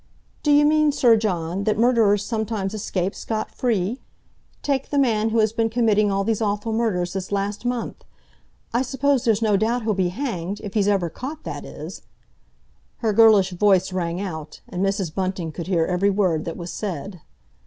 '" "D'you mean, Sir John, that murderers sometimes escape scot free? Take the man who has been committing all these awful murders this last month? I suppose there's no doubt he'll be hanged—if he's ever caught, that is!" Her girlish voice rang out, and Mrs. Bunting could hear every word that was said.